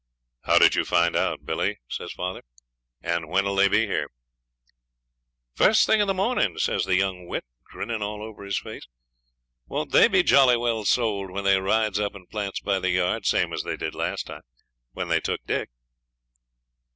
'How did you find out, Billy?' says father, 'and when'll they be here?' 'Fust thing in the morning,' says the young wit, grinning all over his face. 'Won't they be jolly well sold when they rides up and plants by the yard, same as they did last time, when they took Dick.'